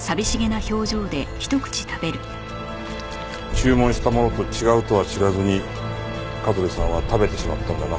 注文したものと違うとは知らずに香取さんは食べてしまったんだな。